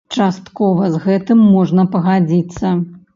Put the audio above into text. Часткова з гэтым можна пагадзіцца.